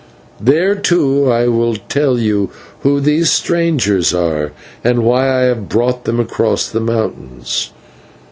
There, too, I will tell you who these strangers are, and why I have brought them across the mountains.